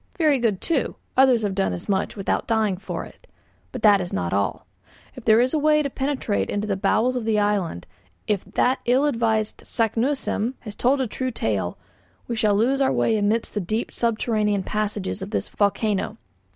Very good, too, others have done as much without dying for it. But that is not all. If there is a way to penetrate into the very bowels of the island, if that ill advised Saknussemm has told a true tale, we shall lose our way amidst the deep subterranean passages of this volcano.